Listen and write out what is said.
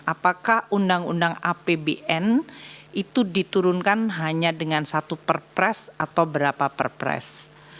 apakah undang undang apbn itu diturunkan hanya dengan satu perpres atau berapa perpres